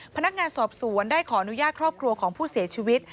พนักงานสอบสวนได้ขออนุญาตครอบครัวของผู้เสียชีวิต